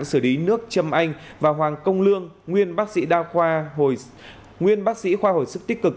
xử lý nước trâm anh và hoàng công lương nguyên bác sĩ khoa hồi sức tích cực